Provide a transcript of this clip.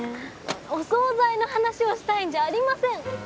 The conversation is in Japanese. お総菜の話をしたいんじゃありません。